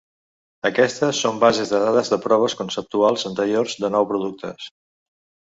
Aquestes són bases de dades de proves conceptuals anteriors de nou productes.